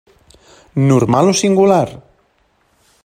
Normal o singular?